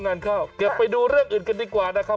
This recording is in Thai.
งานเข้าเก็บไปดูเรื่องอื่นกันดีกว่านะครับ